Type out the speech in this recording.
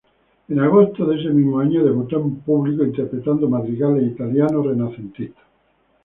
En agosto de ese mismo año debutó en público, interpretando madrigales italianos renacentistas.